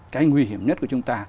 cái nguy hiểm nhất của chúng ta